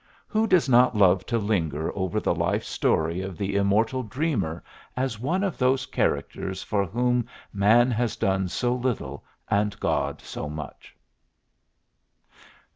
Who does not love to linger over the life story of the 'immortal dreamer' as one of those characters for whom man has done so little and God so much?"